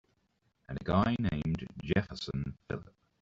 And a guy named Jefferson Phillip.